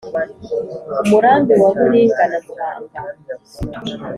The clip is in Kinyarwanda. umurambi wa muringa na muhanga